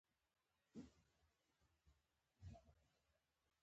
سپین ږیری د کلتوري مراسمو برخه دي